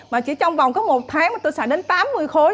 mà chỉ trong vòng có một tháng mà tôi xài đến tám mươi khối